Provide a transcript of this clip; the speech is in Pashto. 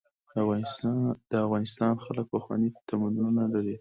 د افغانستان خلک پخواني تمدنونه لري.